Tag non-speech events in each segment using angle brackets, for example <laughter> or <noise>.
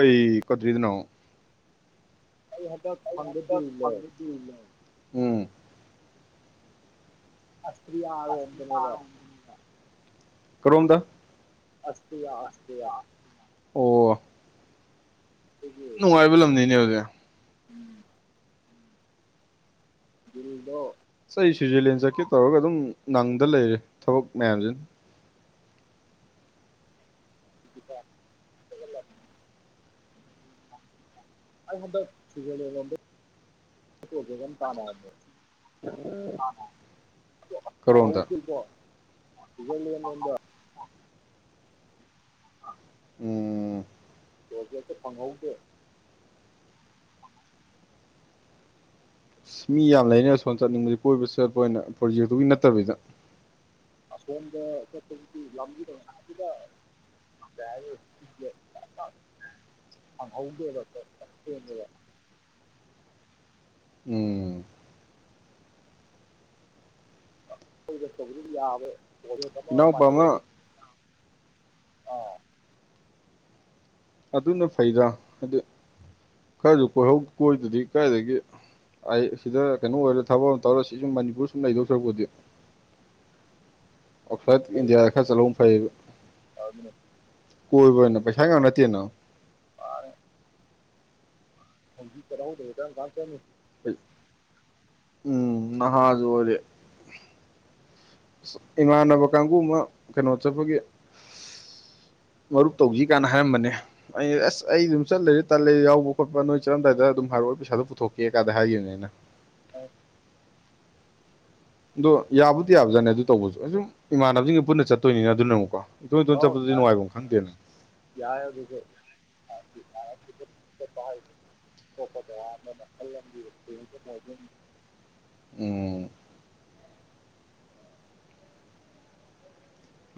ꯑꯩꯩ <unintelligible> <unintelligible> ꯎꯝ ꯑꯁꯇ꯭ꯔꯤꯌꯥꯔꯣ <unintelligible> ꯀꯔꯣꯝꯗ ꯑꯁ <unintelligible> ꯑꯣ <unintelligible> ꯅꯨꯡꯉꯥꯏꯕ ꯂꯝꯅꯤꯅꯦ ꯑꯗꯨꯗꯤ ꯎꯝ ꯒꯤꯜꯗꯣ ꯑꯁ ꯑꯩ ꯁ꯭ꯋꯤꯖꯔꯂꯦꯟ ꯆꯠꯀꯦ ꯇꯧꯔꯒ ꯑꯗꯨꯝ ꯅꯪꯗ ꯂꯩꯔꯦ ꯊꯕꯛ ꯃꯌꯥꯝꯁꯤꯅ <unintelligible> ꯑꯩ ꯍꯟꯗꯛ <unintelligible> ꯇꯥꯟꯅꯔꯝꯃꯦ ꯀꯔꯣꯝꯗ <unintelligible> ꯎꯝ ꯄꯣꯖꯦꯛꯇ ꯐꯪꯍꯧꯗꯦ ꯃꯤ ꯌꯥꯝ ꯂꯩꯅꯦ ꯁꯣꯝ ꯆꯠꯅꯤꯡꯕꯗꯤ ꯀꯣꯏꯕ ꯆꯠꯄ ꯑꯣꯏꯅ ꯄ꯭ꯔꯣꯖꯦꯛꯇꯨꯒꯤ ꯅꯠꯇꯕꯤꯗ ꯑꯁꯣꯝꯗ <unintelligible> ꯂꯝꯕꯤꯗ <unintelligible> <unintelligible> ꯎꯝ ꯏꯅꯥꯎꯄꯥ ꯑꯃ <unintelligible> ꯑꯗꯨꯅ ꯐꯩꯗ ꯍꯥꯏꯗꯤ ꯈꯔꯁꯨ ꯀꯣꯏꯍꯧ ꯀꯣꯏꯗ꯭ꯔꯗꯤ ꯀꯗꯥꯏꯗꯒꯤ ꯑꯩ ꯁꯤꯗ ꯀꯩꯅꯣ ꯑꯣꯏꯔ ꯊꯕꯛ ꯑꯃ ꯇꯧꯔ ꯁꯤ ꯁꯨꯝ ꯃꯅꯤꯄꯨꯔ ꯁꯨꯝ ꯂꯩꯗꯣ ꯁꯔꯨꯛꯄꯨꯗꯤ ꯑꯥꯎꯠꯁꯥꯏꯠ ꯏꯟꯗꯤꯌꯥꯗ ꯈꯔ ꯆꯠꯂꯧꯕꯅ ꯐꯩꯌꯦꯕ ꯑꯗꯨꯅꯦ ꯀꯣꯏꯕ ꯑꯣꯏꯅ ꯄꯩꯁꯥ ꯉꯥꯛ ꯅꯠꯇꯦꯅ <unintelligible> ꯎꯝ ꯅꯍꯥꯖꯨ ꯑꯣꯏꯔꯤ ꯏꯃꯥꯟꯅꯕ ꯀꯥꯡꯕꯨ ꯑꯃ ꯀꯩꯅꯣ ꯆꯠꯄꯒꯤ ꯃꯔꯨꯞ ꯇꯧꯁꯤ ꯀꯥꯟꯅ ꯍꯥꯏꯔꯝꯕꯅꯦ ꯑꯩ ꯑꯁ ꯑꯩ ꯑꯗꯨꯝ ꯆꯠꯂꯩꯔꯦ ꯇꯜꯂꯦꯗ ꯌꯥꯎꯕ ꯈꯣꯠꯄ ꯅꯣꯏ ꯆꯠꯂꯝꯗꯥꯏꯗ ꯑꯗꯨꯝ ꯍꯥꯏꯔꯛꯑꯣ ꯄꯩꯁꯥꯗꯣ ꯄꯨꯊꯣꯛꯀꯦ ꯀꯥꯗ ꯍꯥꯏꯈꯤꯕꯅꯦ ꯑꯩꯅ <unintelligible> ꯑꯗꯣ ꯌꯥꯕꯨꯗꯤ ꯌꯥꯕꯖꯥꯠꯅꯦ ꯑꯗꯨ ꯇꯧꯕꯁꯨ ꯑꯩ ꯁꯨꯝ ꯏꯃꯥꯟꯅꯕꯁꯤꯡꯒ ꯄꯨꯟꯅ ꯆꯠꯇꯣꯏꯅꯤꯅ ꯑꯗꯨꯅ ꯑꯃꯨꯛꯀꯣ ꯏꯇꯣꯟ ꯏꯇꯣꯟ ꯑꯧ ꯆꯠꯄꯗꯨꯗꯤ ꯅꯨꯡꯉꯥꯏꯕꯝ ꯈꯪꯗꯦꯅ ꯌꯥꯏ ꯑꯗꯨꯁꯨ <unintelligible> ꯎꯝ <inaudible>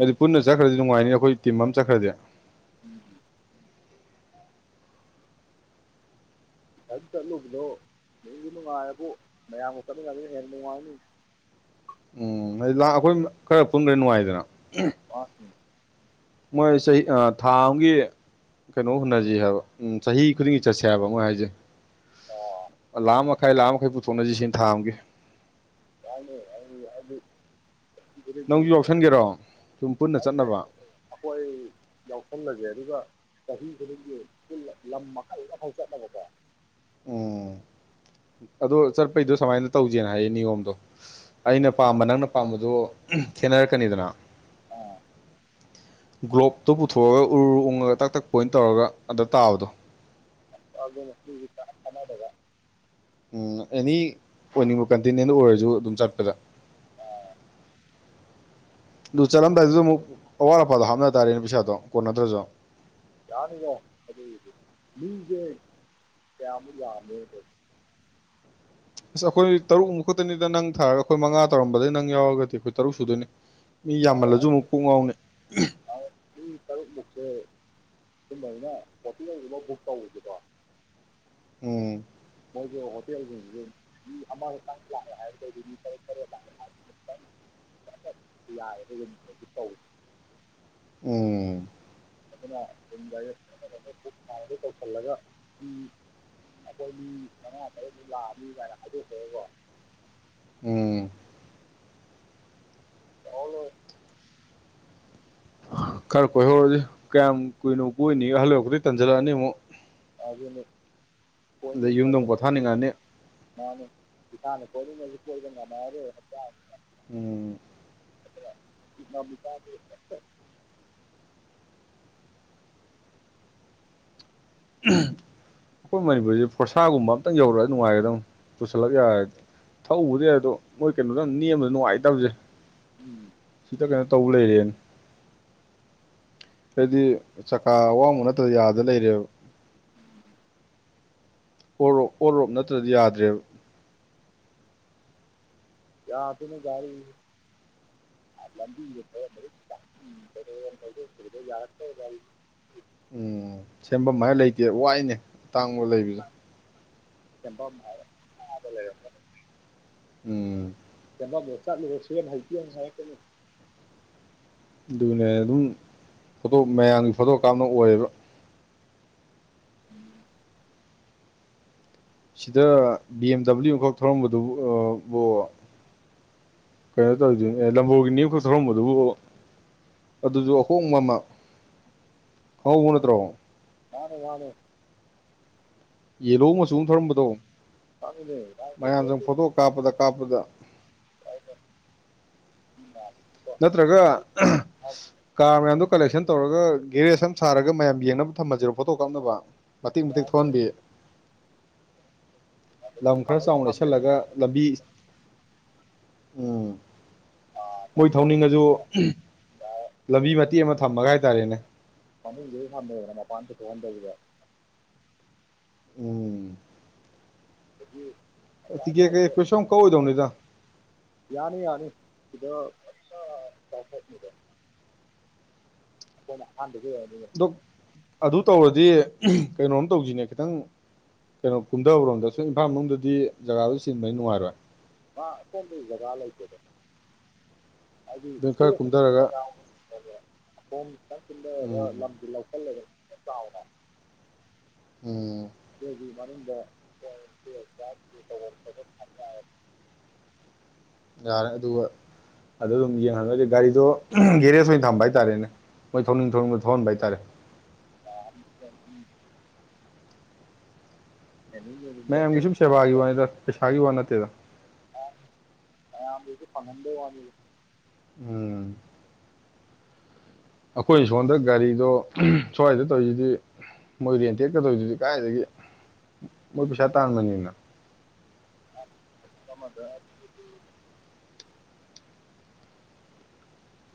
ꯑꯗꯨ ꯄꯨꯟꯅ ꯆꯠꯈ꯭ꯔꯗꯤ ꯅꯨꯡꯉꯥꯏꯅꯤ ꯑꯩꯈꯣꯏ ꯇꯤꯝ ꯑꯃ ꯆꯠꯈ꯭ꯔꯗꯤ <unintelligible> ꯑꯗꯨꯝ ꯆꯠꯂꯨꯕꯗꯣ ꯅꯨꯡꯗꯤ ꯅꯨꯡꯉꯥꯏꯕꯨ ꯃꯌꯥꯝꯒ ꯆꯠꯅꯤꯡꯉꯕꯅ ꯍꯦꯟꯅ ꯅꯨꯡꯉꯥꯏꯅꯤ ꯎꯝ ꯍꯥꯏꯗꯤ ꯂꯥꯛ ꯑꯩꯈꯣꯏ ꯈꯔ ꯄꯨꯟꯕ꯭ꯔꯦ ꯅꯨꯡꯉꯥꯏꯗꯅ <inaudible> ꯃꯣꯏ ꯆꯍꯤ ꯑ ꯊꯥꯝꯒꯤ ꯀꯩꯅꯣ ꯍꯨꯟꯅꯁꯤ ꯍꯥꯏꯕ ꯎꯝ ꯆꯍꯤ ꯈꯨꯗꯤꯡꯒꯤ ꯆꯠꯁꯦ ꯍꯥꯏꯕ ꯃꯣꯏ ꯍꯥꯏꯁꯦ ꯂꯥꯛꯃ ꯃꯈꯥꯏ ꯂꯥꯛꯃ ꯃꯈꯥꯏ ꯄꯨꯊꯣꯛꯅꯁꯤ ꯁꯤꯅ ꯊꯥ ꯑꯝꯒꯦ <unintelligible> ꯅꯪꯁꯨ <unintelligible> ꯌꯥꯎꯁꯟꯒꯦꯔꯣ ꯁꯨꯝ ꯄꯨꯟꯅ ꯆꯠꯅꯕ ꯑꯩꯈꯣꯏ ꯌꯥꯎꯁꯪꯂꯁꯦ ꯑꯗꯨꯒ ꯆꯍꯤ ꯈꯨꯗꯤꯡꯒꯤ ꯂꯝ ꯃꯈꯜ ꯃꯈꯜ ꯆꯠꯅꯕꯀꯣ ꯎꯝ ꯑꯗꯣ ꯆꯠꯄꯩꯗꯣ ꯁꯨꯃꯥꯏꯅ ꯇꯧꯁꯦꯅ ꯍꯥꯏꯌꯦ ꯅꯤꯌꯣꯝꯗꯣ ꯑꯩꯅ ꯄꯥꯝꯕ ꯅꯪꯅ ꯄꯥꯝꯕꯗꯨ ꯈꯦꯠꯅꯔꯛꯀꯅꯤꯗꯅ ꯑꯥ ꯒ꯭ꯂꯣꯞꯇꯨ ꯄꯨꯊꯣꯛꯑꯒ ꯎꯔ ꯎꯡꯉꯒ ꯇꯛ ꯇꯛ ꯄꫭꯏꯅ ꯇꯧꯔꯒ ꯑꯗ ꯇꯥꯕꯗꯣ <unintelligible> ꯎꯝ ꯑꯦꯅꯤ ꯑꯣꯏꯅꯤꯡꯕ ꯀꯟꯇꯤꯅꯦꯟ ꯑꯣꯏꯔꯁꯨ ꯑꯗꯨꯝ ꯆꯠꯄꯗ ꯑꯗꯨ ꯆꯠꯂꯝꯗꯥꯏꯗꯨꯗ ꯑꯃꯨꯛ ꯑꯋꯥꯠ ꯑꯄꯥꯗꯣ ꯍꯥꯞꯅ ꯇꯥꯔꯦꯅꯦ ꯄꯩꯁꯥꯗꯣ ꯀꯣꯟꯅꯇ꯭ꯔꯁꯨ ꯌꯥꯅꯤꯀꯣ ꯑꯗꯨꯒꯤꯗꯤ ꯃꯤꯁꯦ ꯀꯌꯥꯃꯨꯛ ꯌꯥꯝꯃꯦ ꯑꯁ ꯑꯩꯈꯣꯏ ꯇꯔꯨꯛꯃꯨꯛ ꯈꯛꯇꯅꯤꯗ ꯅꯪ ꯊꯥꯔꯒ ꯑꯩꯈꯣꯏ ꯃꯉꯥ ꯇꯧꯔꯝꯕꯗꯒꯤ ꯅꯪ ꯌꯥꯎꯔꯒꯗꯤ ꯑꯩꯈꯣꯏ ꯇꯔꯨꯛ ꯁꯨꯗꯣꯏꯅꯤ ꯃꯤ ꯌꯥꯝꯃꯜꯂꯁꯨ ꯑꯃꯨꯛ ꯀꯣꯛ ꯉꯥꯎꯅꯤ ꯃꯤ ꯇꯔꯨꯛꯃꯨꯛꯁꯦ ꯁꯨꯝꯃꯩꯅ ꯍꯣꯇꯦꯜꯕ ꯕꯨꯛ ꯇꯧꯁꯤ꯭ꯔꯣ ꯎꯝ ꯃꯣꯏꯒꯤ ꯍꯣꯇꯦꯜꯁꯤꯡꯁꯤ ꯃꯤ ꯑꯃꯈꯛꯇꯪ ꯂꯥꯛꯑꯦ ꯍꯥꯏꯔꯒꯗꯤ ꯃꯤ ꯇꯔꯨꯛ ꯇꯔꯦꯠ ꯂꯥꯛꯑꯦ ꯍꯥꯏ <inaudible> <unintelligible> ꯎꯝ <unintelligible> ꯑꯩꯈꯣꯏ ꯃꯤ ꯃꯉꯥ ꯇꯔꯨꯛꯃꯨꯛ ꯂꯥꯛꯑꯅꯤ ꯀꯃꯥꯏꯅ ꯍꯥꯏꯗꯣꯛꯈꯣꯛꯈ꯭ꯔꯒꯀꫭ ꯎꯝ <unintelligible> ꯈꯔ ꯀꯣꯏꯍꯧꯔꯁꯤ ꯀꯌꯥꯝ ꯀꯨꯏꯅꯣ ꯀꯣꯏꯏꯅꯤ ꯑꯍꯜ ꯑꯣꯏꯛꯇꯗꯤ ꯇꯟꯖꯜꯂꯛꯑꯅꯤ ꯑꯃꯨꯛ <unintelligible> ꯑꯗꯩ ꯌꯨꯝꯗ ꯑꯃꯨꯛ ꯄꯣꯊꯥꯅꯤꯡꯉꯛꯑꯅꯤ ꯃꯥꯅꯤ ꯏꯁꯥꯅ ꯀꯣꯏꯅꯤꯡꯉꯁꯨ ꯀꯣꯏꯕ ꯉꯃꯔꫭꯏ ꯍꯛꯆꯥꯡꯁꯤꯅ ꯎꯝ <unintelligible> ꯑꯩꯈꯣꯏ ꯃꯅꯤꯄꯨꯔꯁꯦ ꯐꯣꯔꯁꯥꯒꯨꯝꯕ ꯑꯝꯇꯪ ꯌꯧꯔꯛꯑꯒ ꯅꯨꯡꯉꯥꯏꯒꯗ ꯑꯗꯨꯝ ꯄꯨꯁꯜꯂꯛ ꯌꯥꯔ ꯊꯧꯕꯨꯗꯤ ꯌꯥꯏ ꯑꯗꯣ ꯃꯣꯏ ꯀꯩꯅꯣꯗꯪ ꯅꯦꯝꯕꯗ ꯅꯨꯡꯉꯥꯏꯇꯕꯁꯦ ꯎꯝ ꯗ ꯀꯩꯅꯣ ꯇꯧꯕ ꯂꯩꯔꯦꯅꯦ ꯍꯥꯏꯗꯤ ꯆꯀꯥ ꯑꯋꯥꯡꯕ ꯅꯠꯇ꯭ꯔ ꯌꯥꯗꯅ ꯂꯩꯔꯦꯕ <inaudible> ꯑꯣꯔꯣꯞ ꯑꯣꯔꯣꯞ ꯅꯠꯇ꯭ꯔꯗꯤ ꯌꯥꯗ꯭ꯔꯦꯕ ꯌꯥꯗꯦꯅꯦ ꯒꯥꯔꯤꯁꯤ <unintelligible> ꯎꯝ ꯁꯦꯝꯐꯝ ꯍꯥꯏꯔ ꯂꯩꯇꯦ ꯋꯥꯏꯅꯦ ꯇꯥꯡꯕ ꯂꯩꯕꯁꯦ <unintelligible> ꯎꯝ ꯁꯦꯝꯕꯝꯗ ꯆꯠꯂꯨꯔꯦ ꯍꯩꯇꯦ ꯑꯃꯨꯛ ꯍꯥꯏꯔꯀꯅꯤ ꯑꯗꯨꯅꯦ ꯑꯗꯨꯝ ꯐꯣꯇꯣ ꯃꯌꯥꯝꯒꯤ ꯐꯣꯇꯣ ꯀꯥꯞꯅ ꯑꯣꯏꯌꯦꯕ <inaudible> ꯁꯤꯗ ꯕꯤ ꯑꯦꯝ ꯗꯕ꯭ꯂꯤꯎꯨ ꯑꯃꯈꯛ ꯊꯧꯔꯝꯕꯗꯨꯕꯨ <unintelligible> ꯀꯩꯅꯣ ꯇꯧꯔꯤꯗꯨꯅꯤ ꯑꯦ ꯂꯝꯐꯣꯒꯤꯅꯤ ꯈꯠ ꯊꯧꯔꯝꯕꯗꯨꯕꯨ ꯑꯗꯨꯁꯨ ꯑꯍꯣꯡꯕ ꯑꯃ ꯈꯪꯍꯧꯕ ꯅꯠꯇ꯭ꯔꯣ ꯃꯥꯅꯤ ꯃꯥꯅꯤ ꯌꯦꯂꯣ ꯃꯆꯨ ꯑꯃ ꯊꯧꯔꯝꯕꯗꯣ ꯈꯪꯉꯤꯅꯦ ꯃꯌꯥꯝꯁꯪ ꯐꯣꯇꯣ ꯀꯥꯞꯄꯗ ꯀꯥꯞꯄꯗ ꯌꯥ <unintelligible> ꯅꯠꯇ꯭ꯔꯒꯥ ꯀꯥꯔ ꯃꯌꯥꯝꯗꯣ ꯀꯂꯦꯛꯁꯟ ꯇꯧꯔꯒ ꯒꯦꯔꯦꯖ ꯑꯃ ꯁꯥꯔꯒ ꯃꯌꯥꯝ ꯌꯦꯡꯅꯕ ꯊꯝꯃꯁꯤꯔꯣ ꯐꯣꯇꯣ ꯀꯥꯞꯅꯕ ꯃꯇ‌ꯦꯛ ꯃꯇ‌ꯦꯛ ꯊꫭꯍꯟꯕꯤ ꯂꯝ ꯈꯔ ꯆꯥꯎꯅ ꯐꯝꯃꯦꯗꯅ ꯂꯩꯁꯜꯂꯒ ꯂꯝꯕꯤ ꯎꯝ ꯃꯣꯏ ꯊꯧꯅꯤꯡꯉꯁꯨ ꯂꯝꯕꯤ ꯃꯇꯦꯛ ꯑꯃ ꯊꯝꯃꯒ ꯍꯥꯏꯇꯥꯔꯦꯅꯦ ꯃꯅꯨꯡꯗ ꯑꫭꯏꯅ ꯊꯝꯃ‌ꯦꯗꯅ ꯃꯄꯥꯟ ꯄꯨꯊꯣꯛꯍꯟꯗꯕꯤꯗ ꯎꯝ <unintelligible> ꯇꯤꯀꯦꯠ ꯇꯧꯕꯗꯣ ꯀꯩ ꯀꯩꯁꯨꯝ ꯌꯥꯝ ꯀꯛꯑꫭꯏꯗꯧꯅꯤꯗ ꯌꯥꯅꯤ ꯌꯥꯅꯤ ꯁꯤꯗꯥ ꯐꯖꯅ ꯊꯇꯧꯁꯟꯒꯤꯕ ꯍꯥꯟ <unintelligible> ꯑꯗꯣ ꯑꯗꯨ ꯇꯧꯔꯗꯤ ꯀꯩꯅꯣꯝ ꯇꯧꯁꯤꯅꯦ ꯈꯤꯇꯪ ꯀꯩꯅꯣ ꯀꯨꯝꯊꯕꯔꯣꯝꯗ ꯑꯁꯨꯝ ꯏꯝꯐꯥꯜ ꯃꯅꯨꯡꯗꯗꯤ ꯖꯒꯥꯗꯨ ꯆꯤꯟꯕꯅꯤꯅ ꯅꯨꯡꯉꯥꯏꯔꯣꯏ ꯀ ꯖꯒꯥ ꯂꯩꯇꯦ <unintelligible> ꯍꯥꯏꯗꯤ ꯑꯗꯨ ꯈꯔ ꯏꯗꯤ ꯀꯨꯝꯊꯔꯒ ꯄꯖꯥꯎ <unintelligible> ꯑꯣꯝ ꯈꯤꯇꯪꯁꯤ ꯂꯩꯔꯒ ꯎꯝ ꯂꯝꯕꯤ ꯂꯧꯁꯤꯜꯂꯒ ꯆꯥꯎꯅ <unintelligible> ꯎꯝ ꯑꯗꯨꯒꯤ ꯃꯅꯨꯡꯗ <unintelligible> ꯌꯥꯔꯦ ꯑꯗꯨꯒ ꯑꯗꯨ ꯑꯗꯨꯝ ꯌꯦꯡꯍꯜꯂꯗꯤ ꯒꯥꯔꯤꯗꯣ ꯒꯦꯔꯦꯖ ꯑꯣꯏꯅ ꯊꯝꯕ ꯍꯥꯏꯇꯥꯔꯦꯅꯦ ꯃꯣꯏ ꯊꯧꯅꯤꯡ ꯊꯧꯅꯤꯡꯕ ꯊꯧꯍꯟꯕ ꯍꯥꯏꯇꯥꯔꯦ <unintelligible> <unintelligible> ꯃꯌꯥꯝꯒꯤ ꯁꯨꯝ ꯁꯦꯕꯥꯒꯤ ꯋꯥꯅꯤꯗ ꯄꯩꯁꯥꯒꯤ ꯋꯥ ꯅꯠꯇꯦꯗ ꯃꯌꯥꯝꯁꯤꯁꯨ ꯐꯪꯉꯟꯕꯩ ꯋꯥꯅꯤꯗ ꯎꯝ ꯑꯩꯈꯣꯏ ꯁꯣꯟꯗ ꯒꯥꯔꯤꯗꯣ ꯁ꯭ꯋꯥꯏꯗ ꯇꯧꯔꯤꯁꯤꯗꯤ ꯃꯣꯏ ꯔꯦꯟ ꯇꯦꯟꯒ ꯇꯧꯔꯤꯗꯨꯗꯤ ꯀꯗꯥꯥꯏꯗꯒꯤ ꯃꯣꯏ ꯄꯩꯁꯥ ꯇꯥꯥꯟꯕꯅ‌ꯦꯃꯤ ꯀꯃꯗ <unintelligible>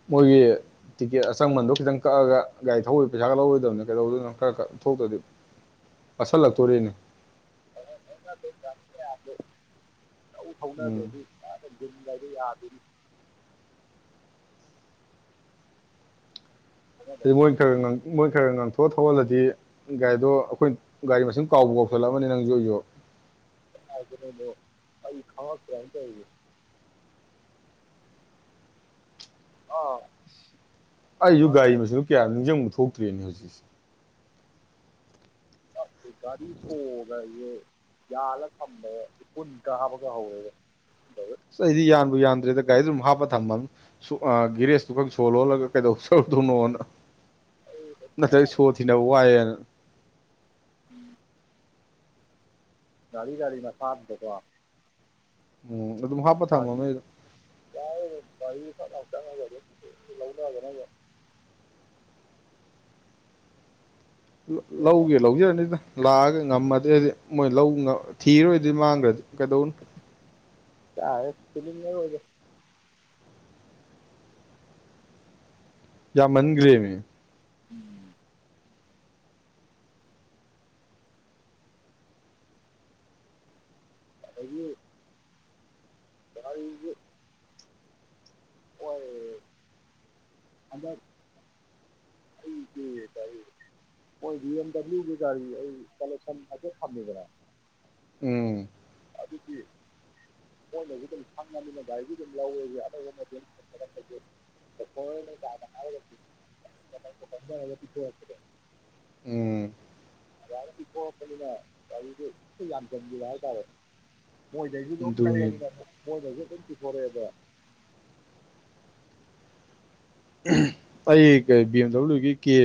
ꯃꯣꯏꯒꯤ ꯇꯤꯀꯦꯠ ꯑꯆꯃꯟꯗꯣ ꯈꯤꯇꯪ ꯀꯛꯑꯒ ꯒꯥꯔꯤ ꯊꯧꯕꯩ ꯄꯩꯁꯥꯒ ꯂꯧꯔꯣꯏꯗꯕꯅꯤ ꯀꯩꯗꯧꯗꯣꯏꯅꯣ ꯀꯛꯑꯒ ꯊꯧꯗꯔꯗꯤ ꯄꯠꯁꯤꯜꯂꯛꯇꯣꯔꯦꯅꯦ ꯃꯌꯥꯝꯗ ꯂꯧ ꯎꯝ ꯊꯧꯅꯗ꯭ꯔꯗꯤ <unintelligible> ꯌꯥ ꯟꯔꯤ ꯌꯥꯕ <unintelligible> ꯑꯗꯨ ꯂꯥꯏꯅꯕꯒꯤ ꯃꯣꯏ ꯈꯔ ꯈꯔ ꯉꯪ ꯃꯣꯏ ꯈꯔ ꯉꯥꯡꯊꯣꯛꯑ ꯊꯧꯍꯜꯂꯗꯤ ꯒꯥꯔꯤꯗꯣ ꯑꯩꯈꯣꯏ ꯒꯥꯔꯤ ꯃꯁꯤꯡ ꯀꯥꯎꯕ ꯀꯥꯎꯁꯜꯂꯛꯎꯝꯃꯅꯤ ꯅꯪꯁꯨ ꯑꯩꯁꯨ ꯑꯩ ꯊ ꯀ ꯀ <unintelligible> ꯑꯥ ꯑꯩꯁꯨ ꯒꯥꯔꯤ ꯃꯁꯤꯡꯗꯨ ꯀꯌꯥꯅꫭ ꯅꯤꯡꯁꯤꯡꯕ ꯊꯣꯛꯇ꯭ꯦꯅꯦ ꯍꯧꯖꯤꯛꯁꯦ ꯦꯒꯒꯥꯔꯤꯁꯨꯣꯒ ꯌꯦ <unintelligible> ꯌꯥꯜꯂꯒ ꯊꯝꯕꯗ ꯏꯐꯨꯟ ꯀꯥꯕꯒ ꯍꯧꯔꯦꯒ ꯊꯧꯗꯕꯩ ꯑꯁ ꯑꯩꯗꯤ ꯌꯥꯟꯕꯨ ꯌꯥꯟꯗ꯭ꯔꯦꯗ ꯒꯥꯔꯤꯗ ꯑꯗꯨꯝ ꯍꯥꯞꯄ ꯊꯝꯃꯝꯅꯤ ꯁꫭ ꯑꯥ ꯒꯤꯔꯦꯁꯇꯨ ꯈꯛ ꯁꯣ ꯂꫭꯜꯂꯒ ꯀꯩꯗꯧꯖꯧꯗꯣꯏꯅꯣꯅ ꯅꯠꯇꯔꯗꯗꯤ ꯁꯣ ꯊꯤꯅ ꯋꯥꯏꯅ ꯒꯥꯔꯤ ꯒꯥꯔꯤ ꯃꯁꯥꯗꯨꯗꯀꫭ ꯎꯝ ꯑꯗꯨꯝ ꯍꯥꯞꯄ ꯊꯝꯃꯣ ꯅꯣꯏꯗꯣ ꯌꯥꯏꯌꯦ ꯒꯥꯔꯤꯗ ꯐꯠ ꯂꯥꯎ ꯆꯪꯉꯒ ꯑꯗꯨꯝ ꯂꯧꯅꯒꯅꯕ ꯆꯪꯉꯛꯄꯅꯤꯅ ꯂꯧꯒꯦ ꯂꯧꯖꯔꯅꯤꯗ ꯂꯥꯛꯑꯒ ꯉꯝꯃꯗꯤ ꯃꯣꯏ ꯂꯧ ꯊꯤꯔꯣꯏꯗꯤ ꯃꯥꯡꯈ꯭ꯔꯗꯤ ꯀꯩꯗꯧꯅ ꯀꯥꯏ ꯊꯤꯅꯤꯡ ꯉꯔꯣꯏꯗ ꯌꯥꯝꯃꯟꯒ꯭ꯔꯦꯃꯦ ꯎꯝ ꯑꯗꯒꯤ <unintelligible> ꯑꯣꯏ <unintelligible> <unintelligible> ꯍꯣꯏ ꯚꯤ ꯑꯦꯝ ꯗꯕ꯭ꯂꯤꯎꯒꯤ ꯒꯥꯔꯤ ꯑꯩ ꯀꯂꯦꯛꯁꯟ ꯍꯥꯏꯐꯦꯠ ꯊꯝꯃꯤꯗꯅ ꯎꯝ ꯑꯗꯨꯗꯤ ꯃꯣꯏꯅꯁꯨ ꯑꯗꯨꯝ ꯈꯪꯉꯅꯤꯅ ꯒꯥꯏꯗꯤ ꯑꯗꯨꯝ ꯌꯥꯎꯋꯦ ꯑꯅꯧꯕ ꯃꯇꯛꯄꯦ <unintelligible> ꯎꯝ ꯑꯗꯨꯥꯏꯅ ꯄꯤꯊꯣꯔꯛꯄꯅꯤꯅ ꯒꯥꯔꯤꯗꯨ ꯌꯥꯝꯁꯤꯟꯈꯤꯕ ꯍꯥꯏꯇꯥꯔꯦ ꯃꯣꯏꯗꯩꯁꯨ ꯑꯗꯨꯝ ꯑꯗꯨꯅꯤ ꯂꯩꯔꯝꯅꯦꯅ ꯃꯣꯏꯅꯁꯨ ꯑꯗꯨꯝ ꯄꯤꯊꯣꯔꯛꯑꯦꯕ ꯑꯩ ꯕꯤ ꯑꯦꯝ ꯗꯕ꯭ꯂꯤꯎꯒꯤ K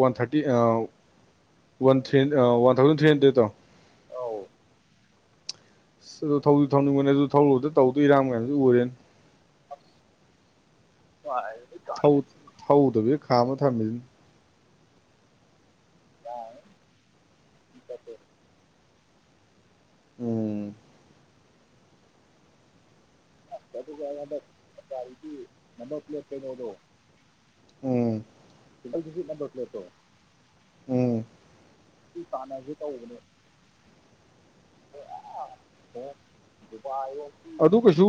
one thirty one three ꯑ ꯋꯥꯟ ꯊꯥꯎꯖꯟ ꯊ꯭ꯔꯤꯟꯗ꯭ꯔꯦꯠꯇꯣ ꯑꯧ ꯑꯗꯣ ꯊꯧꯗꯤ ꯊꯧꯅꯤꯡꯕꯅꯦ ꯑꯗꯨ ꯊꯧꯔꯨꯕꯗ ꯇꯧꯗꯣꯏ ꯏꯔꯥꯡ ꯃꯌꯥꯝꯗꯣ ꯎꯔꯦꯅ <inaudible> <unintelligible> ꯊꯧꯗꯕꯤ ꯈꯥꯝꯃ ꯊꯝꯃꯤꯟ ꯌꯥ ꯏ ꯎꯝ <unintelligible> ꯅꯝꯕꯔ ꯄ꯭ꯂꯦꯠ ꯀꯩꯅꯣꯗꯣ ꯎꯝ ꯑꯩꯒꯤꯗꯤ ꯅꯝꯕꯔ ꯄ꯭ꯂꯦꯠꯇꯣ ꯎꯝ ꯁꯤ ꯇꯥꯟꯅꯒꯦ ꯇꯧꯕꯅꯦ <unintelligible> ꯑꯗꯨ ꯀꯩꯁꯨ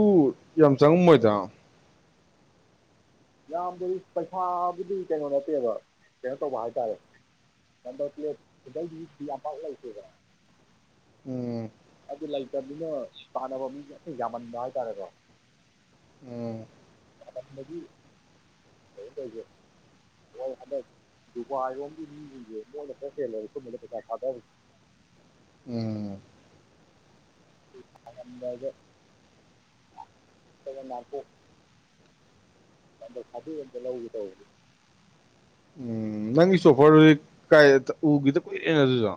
ꯌꯥꯝ ꯆꯪꯉꯝꯃꯣꯏꯗ ꯌꯥꯝꯕꯨꯗꯤ ꯄꯩꯁꯥꯕꯨꯗꯤ ꯀꯩꯅꯣ ꯅꯠꯇꯦꯕ ꯀꯩꯅꯣ ꯇꯧꯕ ꯍꯥꯏꯇꯥꯔꯦ ꯅꯝꯕꯔ ꯄ꯭ꯂꯦꯠ ꯌꯥꯝ ꯄꯥꯛ ꯂꯩꯇꯦꯕ ꯎꯝ ꯑꯗꯨ ꯂꯩꯇꯕꯅꯤꯅ ꯇꯥꯟꯅꯕ ꯃꯤꯅ ꯌꯥꯝꯃꯟꯕ ꯍꯥꯏꯇꯥꯔꯦꯀꯣ ꯎꯝ <unintelligible> ꯃꯣꯏ ꯍꯟꯗꯛ ꯗꯨꯕꯥꯏꯔꯣꯝꯒꯤ ꯃꯤꯖꯤꯡꯖꯦ ꯃꯣꯏꯅ ꯄꯣꯠ ꯆꯦꯜꯂꯦ ꯁꯨꯝꯕꯗ ꯄꯩꯁꯥ ꯊꯥꯗꯕ ꯎꯝ <unintelligible> <unintelligible> ꯑꯃꯇ ꯂꯧꯒꯦ ꯇꯧꯕꯅꯦ ꯎꯝ ꯅꯪꯒꯤ ꯁꯣꯐꯔꯗꯨꯗꯤ ꯀꯥꯏ ꯎꯈꯤꯗ ꯀꯨꯏꯔꯦꯅ ꯑꯗꯨꯁꯨ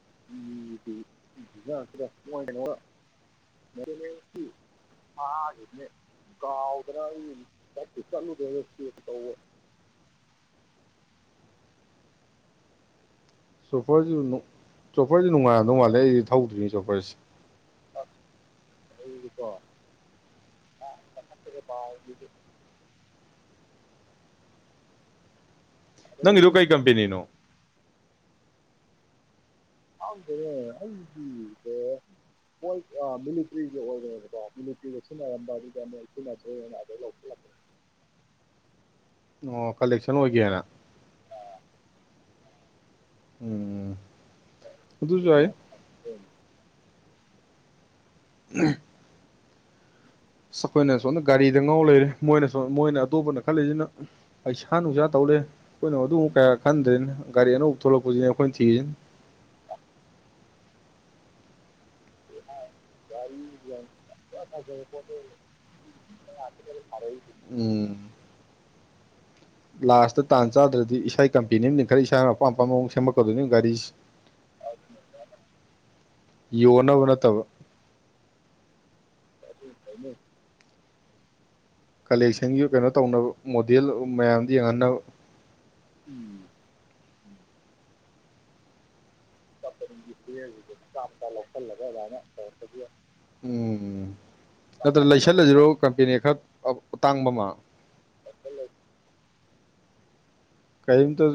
<inaudible> <inaudible> <unintelligible> <unintelligible> <inaudible> ꯁꯨꯄꯔꯖꯨ ꯅꯣ ꯆꯣꯄꯔꯖ ꯅꯨꯡꯉꯥꯏꯗꯧ ꯃꯥꯜꯂꯦ ꯑꯩꯗꯤ ꯊꯧꯗ꯭ꯔꯤ ꯆꯣꯄꯔꯁ ꯑꯩꯗꯤꯀꯣꯑ ꯃꯊꯥꯛꯇꯒ ꯄꯥꯏ ꯅꯪꯒꯤꯗꯣ ꯀꯩ ꯀꯝꯄꯦꯅꯤꯅꯣ ꯈꯪꯗꯦꯅꯦ ꯑꯩꯒꯤꯖꯦ ꯃꫭꯏ ꯃꯤꯂꯤꯇ꯭ꯔꯤꯒꯤ ꯑꯣꯏꯔꯦꯕꯀꯣ ꯃꯤꯂꯤꯇ꯭ꯔꯤꯒ ꯁꯤꯖꯤꯟꯅꯔꯝꯕ ꯑꯗꯨꯗ ꯃꯣꯏ ꯁꯤꯖꯤꯟꯅꯗ꯭ꯔꯦꯅ ꯑꯗꯨ ꯂꯧꯁꯤꯠꯂꯛꯄ ꯑꯣ ꯀꯂꯦꯛꯁꯟ ꯑꯣꯏꯒꯦꯅ ꯎꯝ ꯑꯗꯨꯖꯨ ꯌꯥꯏ <unintelligible> ꯑꯁ ꯑꯩꯈꯣꯏꯅ ꯁꯣꯝꯗ ꯒꯥꯔꯤꯗ ꯉꯥꯎ ꯂꯩꯔꯦ ꯃꯣꯏꯅ ꯁꯝ ꯃꯣꯏꯅ ꯑꯇꯣꯞꯄꯅ ꯈꯜꯂꯤꯖꯤꯅ ꯄꯩꯁꯥ ꯅꯨꯡꯁꯥ ꯇꯧꯂꯦ ꯑꯩꯈꯣꯏꯅ ꯑꯗꯨꯛ ꯀꯌꯥ ꯈꯟꯗ꯭ꯔꯦꯅ ꯒꯥꯔꯤ ꯑꯅꯧꯕ ꯊꯣꯛꯂꯛꯄꯖꯤꯅꯦ ꯑꯩꯈꯣꯏꯅ ꯊꯤꯔꯤꯖꯤꯅ <unintelligible> <unintelligible> ꯎꯝ ꯂꯥꯁꯇ ꯇꯥꯟ ꯆꯥꯗ꯭ꯔꯗꯤ ꯏꯁꯩ ꯀꯝꯄꯦꯅꯤ ꯑꯃ ꯂꯤꯡꯈꯠꯂꯒ ꯏꯁꯥ ꯃꯄꯥꯝ ꯃꯄꯥ ꯃꯑꫭꯡ ꯁꯦꯝꯃꯛꯀꯗꯣꯏꯅꯤ ꯒꯥꯔꯤꯁꯤ ꯑ <unintelligible> ꯌꯣꯟꯅꯕ ꯅꯠꯇꯕ <unintelligible> ꯀꯂꯦꯛꯁꯟꯒꯤ ꯀꯩꯅꯣ ꯇꯧꯅꯕ ꯃꯣꯗꯦꯜ ꯃꯌꯥꯝꯗ ꯌꯦꯡꯍꯟꯅꯕ ꯎꯝ <unintelligible> ꯃꯆꯥ ꯃꯆꯥ ꯂꯧꯁꯤꯜꯂꯒ ꯑꯗꯨꯃꯥꯏꯅ ꯇꯧꯔꯛꯄꯒꯤ ꯎꯝ ꯅꯠꯇ꯭ꯔ ꯂꯩꯁꯜꯂꯖꯤꯔꯣ ꯀꯝꯄꯦꯅꯤ ꯈꯔ ꯑꯇꯥꯡꯕ ꯑꯃ ꯂꯧꯁꯜꯂ ꯀꯩꯝꯇꯖꯨ